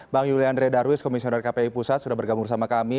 bang yuli andre darwis komisioner kpi pusat sudah bergabung bersama kami